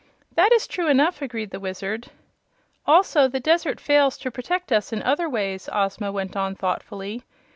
"That is true enough," agreed the Wizard. "Also the desert fails to protect us in other ways," Ozma went on, thoughtfully.